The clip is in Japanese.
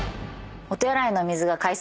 お手洗いの水が海水。